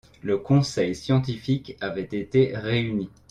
le conseil scientifique avait été réuni.